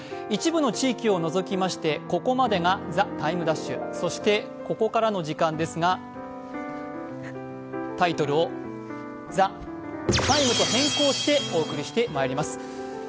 一部の地域を除きまして、ここまでが「ＴＨＥＴＩＭＥ’」、そして、ここからの時間ですが、タイトルを「ＴＨＥＴＩＭＥ，」と変更してお送りしてまいります。